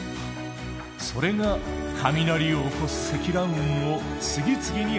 それが雷を起こす積乱雲を次々に発生させる。